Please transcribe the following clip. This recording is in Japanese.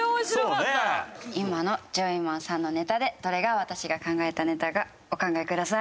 今のジョイマンさんのネタでどれが私が考えたネタかお考えください。